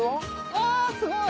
あすごい！